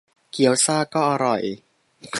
เกี๊ยวซ่าก็อร่อย